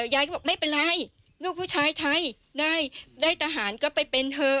ยายก็บอกไม่เป็นไรลูกผู้ชายไทยได้ทหารก็ไปเป็นเถอะ